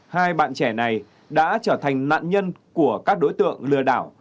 hai bạn trẻ này đã trở thành nạn nhân của các đối tượng lừa đảo